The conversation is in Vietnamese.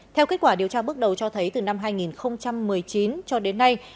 theo kết quả điều tra bước đầu cho thấy từ năm hai nghìn một mươi chín cho đến nay